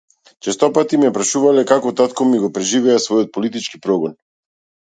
Честопати ме прашувале како татко ми го преживеа својот политички прогон?